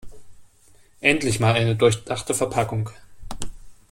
Endlich mal eine durchdachte Verpackung.